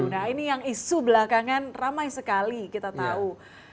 nah ini yang isu belakangan ramai sekali kita tahu